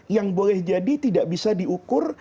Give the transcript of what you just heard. yang boleh jadi tidak bisa diukur